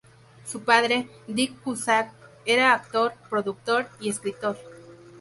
Su padre, Dick Cusack, era actor, productor y escritor.